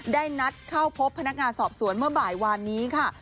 ได้นัดเข้าพบพนักงานสอบสวนเมื่อบ่ายวานนี้ค่ะ